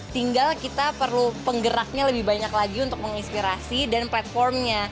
tinggal kita perlu penggeraknya lebih banyak lagi untuk menginspirasi dan platformnya